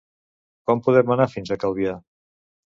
Com podem anar fins a Calvià?